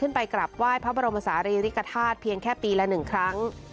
ขึ้นไปกลับไหว้พระบรมศาลีริกษาธิ์เพียงแค่ปีและหนึ่งครั้ง